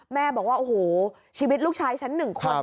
แม่บอกว่าโอ้โหชีวิตลูกชายฉันหนึ่งคน